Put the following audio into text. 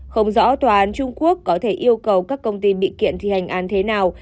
không rõ tòa án trung quốc có thể yêu cầu các công ty bị kiện thi hành án thế nào